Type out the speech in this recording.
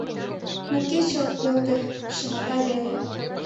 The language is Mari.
Но кече ок пелте, шымата веле.